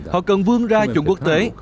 họ cần vươn ra chủng quốc tế